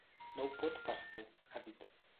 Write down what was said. No ho pot pas fer, ha dit.